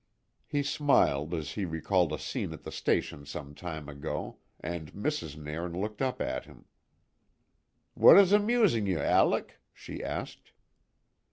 He smiled as he recalled a scene at the station some time ago, and Mrs. Nairn looked up at him. "What is amusing ye, Alec?" she asked.